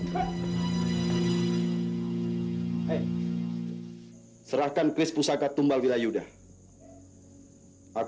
jangan ditembak wina